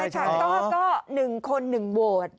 ใช่ก็๑คน๑โหลด